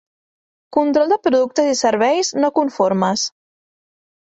Control de productes i serveis no conformes.